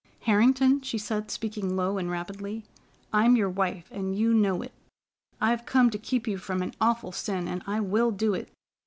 "Harrington," she said, speaking low and rapidly, "I'm your wife, and you know it. I've come to keep you from an awful sin, and I will do it.